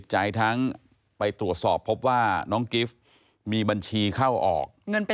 หมายถึงไปตรวจสอบพบว่าน้องกิฟต์มีบัญชีเข้าออก